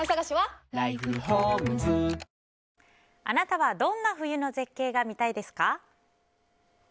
あなたはどんな冬の絶景が見たいですか？